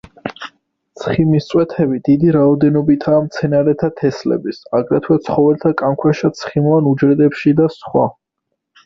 ცხიმის წვეთები დიდი რაოდენობითაა მცენარეთა თესლების, აგრეთვე ცხოველთა კანქვეშა ცხიმოვან უჯრედებში და სხვა.